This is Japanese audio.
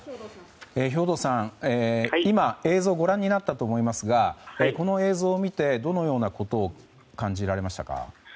兵頭さん、今映像をご覧になったと思いますがこの映像を見てどのようなことを感じられましたか？